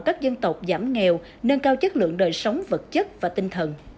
các dân tộc giảm nghèo nâng cao chất lượng đời sống vật chất và tinh thần